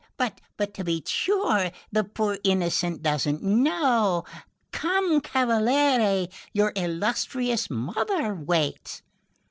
But, to be sure, the poor innocent doesn't know! Come cavaliere, your illustrious mother waits."